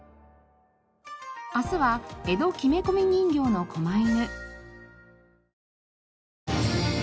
明日は江戸木目込人形の狛犬。